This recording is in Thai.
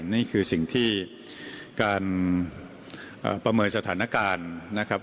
นี่คือสิ่งที่การประเมินสถานการณ์นะครับ